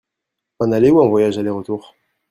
Un aller ou un voyage aller-retour ?